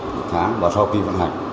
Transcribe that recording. một tháng và sau khi vận hành